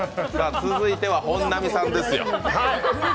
続いては本並さんですよ。